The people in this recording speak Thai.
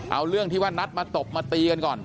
เอาเรื่องที่ว่านัดมาตบมาตีกันก่อน